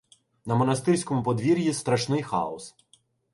На монастирському подвір'ї — страшний хаос.